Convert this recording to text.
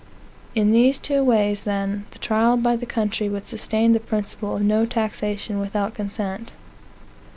In these two ways, then, trial by the country would sustain the principle of no taxation without consent.